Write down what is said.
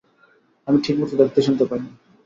আমি ঠিকমতো দেখতে-শুনতে পাই না।